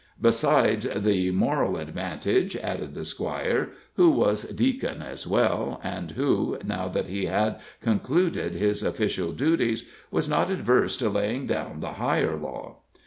"Besides the moral advantage," added the squire, who was deacon as well, and who, now that he had concluded his official duties, was not adverse to laying down the higher law.